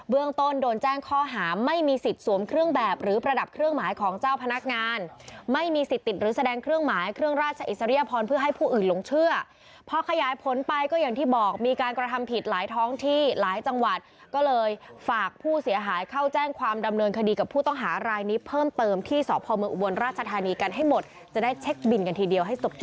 เบื้องต้นโดนแจ้งคอหาไม่มีสิทธิ์สวมเครื่องแบบหรือประดับเครื่องหมายของเจ้าพนักงานไม่มีสิทธิ์ติดหรือแสดงเครื่องหมายเครื่องราชอิสริยพรเพื่อให้ผู้อื่นลงเชื่อพอขยายผลไปก็อย่างที่บอกมีการกระทำผิดหลายท้องที่หลายจังหวัดก็เลยฝากผู้เสียหายเข้าแจ้งความดำเนินคดีกับผู้ต้องหารายนี้เพิ่มเ